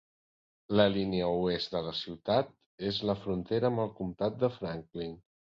La línia oest de la ciutat és la frontera amb el comtat de Franklin.